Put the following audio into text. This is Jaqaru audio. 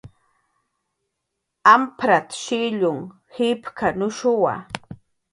"Amprat"" shillkun jipk""anushp""wa "